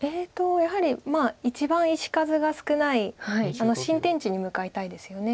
やはり一番石数が少ない新天地に向かいたいですよね。